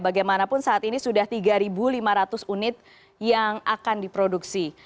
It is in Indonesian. bagaimanapun saat ini sudah tiga lima ratus unit yang akan diproduksi